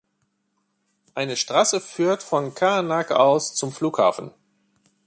Eine Straße führt von Qaanaaq aus zum Flughafen.